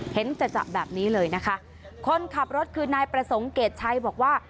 เห็นจัดแบบนี้เลยนะคะคนขับรถคือนายประสงค์เกรดชัยบอกว่า